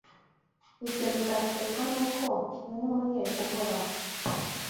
Ibyo bizaterwa n’uko mwimūye Uhoraho